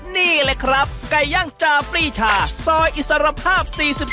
นี่เลยครับไก่ย่างจาปรีชาซอยอิสรภาพ๔๔